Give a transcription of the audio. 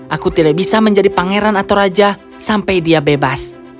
aku tidak bisa menjadi pangeran atau raja sampai dia bebas